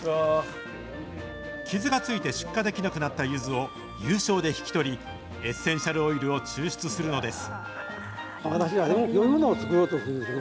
傷がついて出荷できなくなったゆずを有償で引き取り、エッセンシャルオイルを抽出するのです。